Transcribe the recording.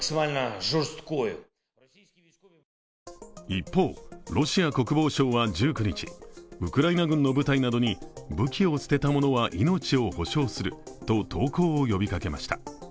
一方、ロシア国防省は１９日ウクライナ軍の部隊などに武器を捨てた者は命を保証すると投降を呼びかけました。